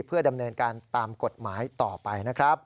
เพื่อดำเนินการตามกฎหมายต่อไปนะครับ